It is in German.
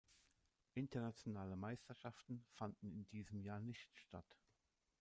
Internationale Meisterschaften fanden in diesem Jahr nicht statt.